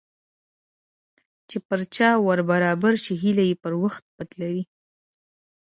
چې په چا ور برابر شي هيلې يې پر حقيقت بدلوي.